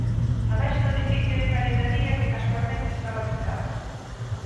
No baixo do edificio hai unha librería que, casualmente, estaba pechada.